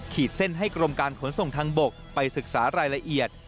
เส้นให้กรมการขนส่งทางบกไปศึกษารายละเอียด